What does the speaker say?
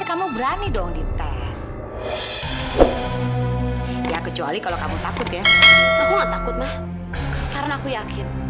kalau aku maksa bicara dengan wanita bernama tari